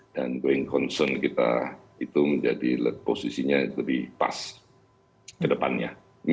going concern kita itu menjadi posisinya lebih pas ke depannya